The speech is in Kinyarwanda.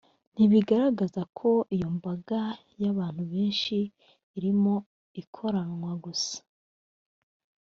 ntibigaragaza ko iyo mbaga y’abantu benshi irimo ikorakoranywa gusa